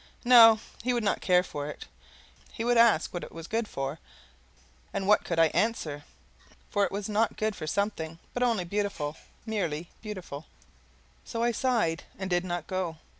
No he would not care for it. He would ask what it was good for, and what could I answer? for if it was not GOOD for something, but only beautiful, merely beautiful So I sighed, and did not go.